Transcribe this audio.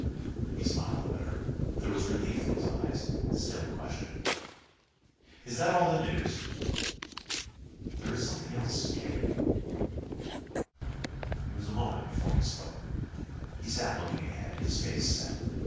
He smiled up at her. There was relief in his eyes, and still a question. "Is that all the news?" "There is something else, K." It was a moment before he spoke. He sat looking ahead, his face set.